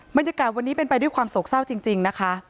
บรรยากาศวันนี้เป็นไปด้วยความโศกเศร้าจริงนะคะ